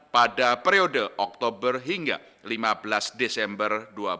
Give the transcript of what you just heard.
pada periode oktober hingga lima belas desember dua ribu dua puluh